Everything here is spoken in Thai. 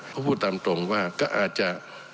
ก็พูดตามตรงว่าก็อาจจะ